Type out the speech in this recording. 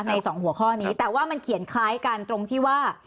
สองหัวข้อนี้แต่ว่ามันเขียนคล้ายกันตรงที่ว่า